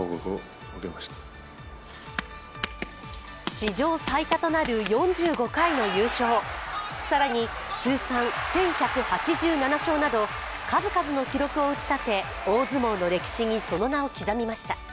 史上最多となる４５回の優勝、更に、通算１１８７勝など数々の記録を打ち立て大相撲の歴史にその名を刻みました。